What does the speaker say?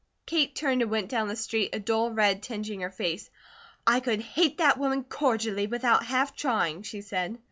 Kate turned and went down the street, a dull red tingeing her face. "I could hate that woman cordially without half trying," she said.